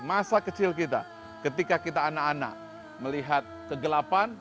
masa kecil kita ketika kita anak anak melihat kegelapan